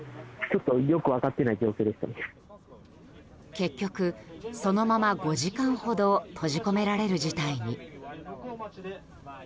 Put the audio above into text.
結局、そのまま５時間ほど閉じ込められる事態に。